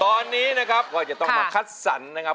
ตอนนี้นะครับก็จะต้องมาคัดสรรนะครับ